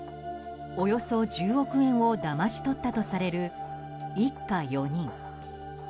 およそ１０億円をだまし取ったとされる一家４人。